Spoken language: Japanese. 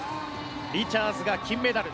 リチャーズが金メダル。